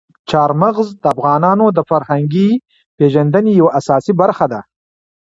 چار مغز د افغانانو د فرهنګي پیژندنې یوه اساسي برخه ده.